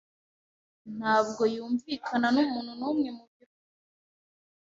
Ntabwo yumvikana numuntu numwe mubiro.